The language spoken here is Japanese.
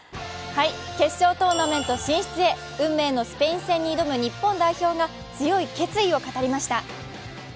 決勝トーナメント進出へ、運命のスペイン戦に挑む日本代表が強い決意を語りました。